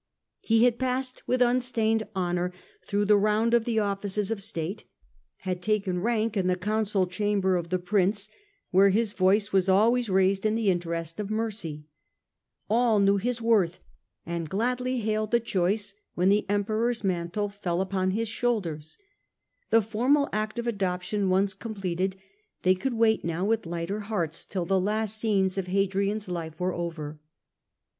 He had passed with unstained honour through the round of the offices of state, had taken rank in the council chamber of the prince, where his voice was always raised in the interest Struck by disease he chose, for his succes sor, Verus. A.D. 135. 117 138. Hadrian, 69 of mercy. All knew his worth, and gladly hailed the choice when the Emperor's mantle fell upon his shoulders ; the formal act of adoption once completed, they could wait now with lighter hearts till the last scenes of Hadrian's life were over.